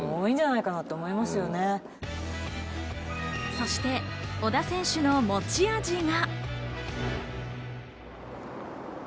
そして小田選手の持ち味が。